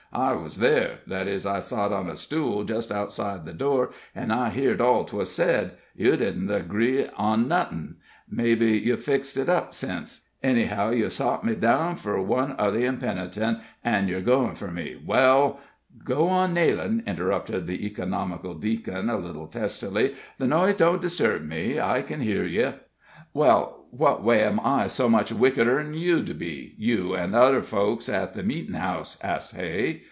I was there that is, I sot on a stool jest outside the door, an' I heerd all 'twas said. Ye didn't agree on nothin' mebbe ye'v fixed it up sence. Any how, ye'v sot me down fur one of the impenitent, an' yer goin' fur me. Well " "Go on nailin'," interrupted the economical Deacon, a little testily; "the noise don't disturb me; I can hear ye." "Well, what way am I so much wickeder 'n you be you an' t'other folks at the meetin' house?" asked Hay.